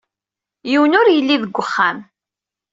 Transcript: Yiwen ur yelli deg wexxam.